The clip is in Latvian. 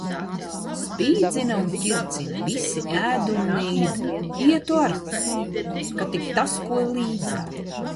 Spīdzina un ķircina, visi ēd un nīd. Ietu ar, kad tik tas ko līdzētu.